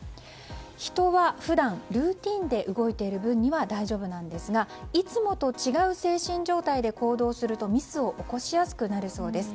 人は普段、ルーティンで動いている分には大丈夫ですがいつもと違う精神状態で行動するとミスを起こしやすくなるそうです。